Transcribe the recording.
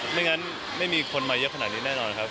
ไม่งั้นไม่มีคนมาเยอะขนาดนี้แน่นอนครับ